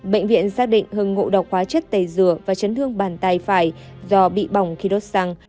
bệnh viện xác định hưng ngộ độc hóa chất tẩy dừa và chấn thương bàn tay phải do bị bỏng khi đốt xăng